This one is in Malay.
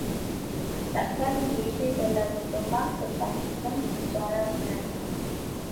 Masakan Malaysia telah berkembang sepanjang sejarah wilayah.